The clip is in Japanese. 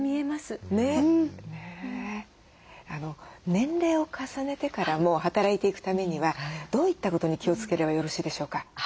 年齢を重ねてからも働いていくためにはどういったことに気をつければよろしいでしょうか？